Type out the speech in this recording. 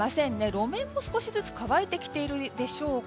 路面も少しずつ乾いてきているでしょうか。